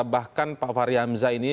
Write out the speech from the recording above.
bahkan pak fahri hamzah ini